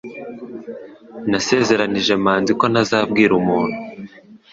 Nasezeranije Manzi ko ntazabwira umuntu.